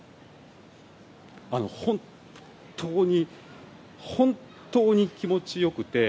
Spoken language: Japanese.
本当に、本当に気持ち良くて。